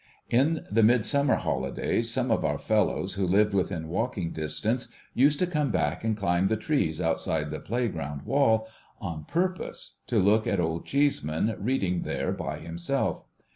In the Midsummer holidays, some of our fellows who lived within walking distance, used to come back and climb the trees outside the playground wall, on purpose to look at Old Chceseman reading there by himself.